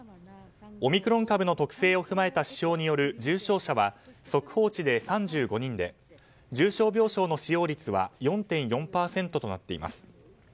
オミクロン株の特性を踏まえた指標による重症者は速報値で３５人で重症病床の使用率は４．４％となっています。